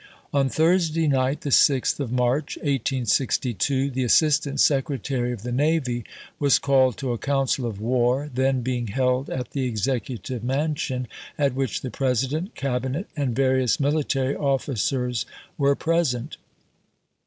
On Thursday night, the 6th of March, 1862, the Assistant Secretary of the Navy was called to a council of war then being held at the Executive Mansion, at which the President, Cabinet, and various military officers wei'e present.